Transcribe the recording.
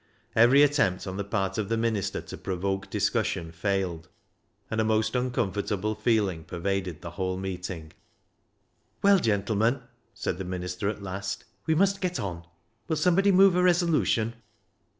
Every attempt on the part of the minister to provoke discussion failed, and a most uncomfortable feeling pervaded the whole meeting. " Well, gentlemen," said the minister at last, " we must get on. Will somebody move a resolution